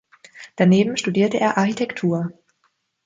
Daneben studierte er Architektur.